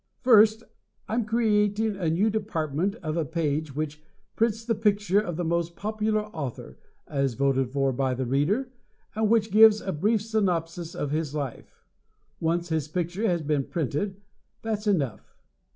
First, I'm creating a new department of a page which prints the picture of the most popular author (as voted for by the reader) and which gives a brief synopsis of his life. Once his picture has been printed, that's enough.